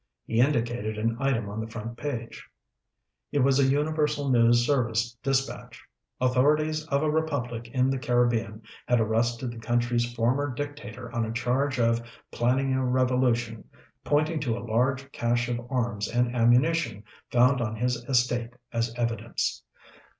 He indicated an item on the front page. It was a Universal News Service dispatch. Authorities of a republic in the Caribbean had arrested the country's former dictator on a charge of planning a revolution, pointing to a large cache of arms and ammunition found on his estate as evidence.